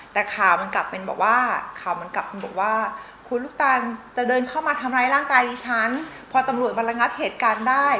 แต่ข่าวมันกลับเป็นบอกว่าข่าวมันกลับบอกว่าคุณลูกตานจะเดินเข้ามาทำร้ายร่างกายดิฉันพอตำรวจมาระงับเหตุการณ์ได้